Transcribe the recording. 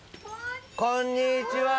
こんにちは！